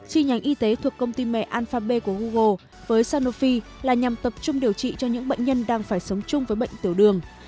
chi nhánh y tế thuộc công ty mẹ alphabet của google với sanofi là nhằm tập trung điều trị cho những bệnh nhân đang phải sống chung với bệnh tiểu đường